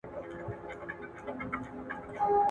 د سپیني خولې دي څونه ټک سو!